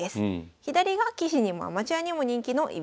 左が棋士にもアマチュアにも人気の居飛車穴熊。